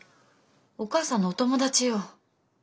お母さんのお友達よ。